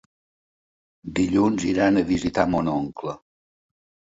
Dilluns iran a visitar mon oncle.